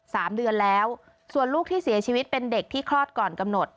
สามเดือนแล้วส่วนลูกที่เสียชีวิตเป็นเด็กที่คลอดก่อนกำหนด